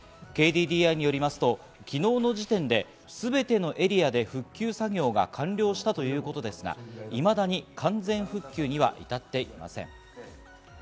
ＫＤＤＩによりますと、昨日の時点ですべてのエリアで復旧作業が完了したということですが、いまだに完全復旧には至っていません。